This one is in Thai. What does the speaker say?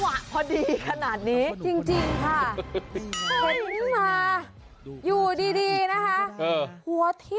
โอ้โหอะไรมันจะจำหวะพอดีขนาดนี้